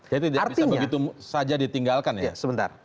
jadi tidak bisa begitu saja ditinggalkan ya